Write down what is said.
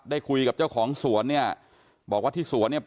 ได้คุยกับเจ้าของสวนเนี่ยบอกว่าที่สวนเนี่ย